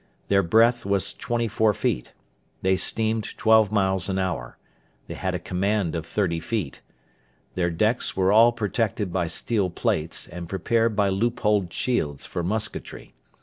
Their breadth was 24 feet. They steamed twelve miles an hour. They had a command of 30 feet. Their decks were all protected by steel plates, and prepared by loopholed shields for musketry.